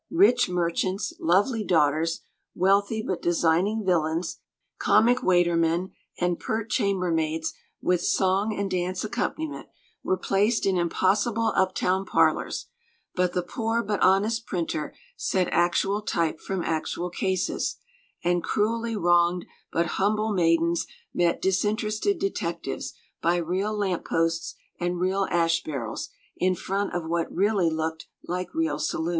Rich merchants, lovely daughters, wealthy but designing villains, comic waiter men, and pert chamber maids with song and dance accompaniment, were placed in impossible uptown parlors; but the poor but honest printer set actual type from actual cases, and cruelly wronged but humble maidens met disinterested detectives by real lamp posts and real ash barrels, in front of what really looked like real saloons.